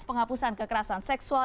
penghapusan kekerasan seksual